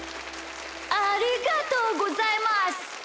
ありがとうございます。